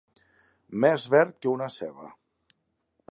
Més verd que una ceba.